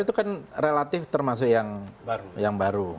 itu kan relatif termasuk yang baru